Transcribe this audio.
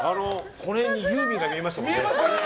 この辺にユーミンが見えましたもんね。